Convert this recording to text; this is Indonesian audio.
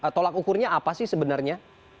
tolak ukurnya apa sih sebenarnya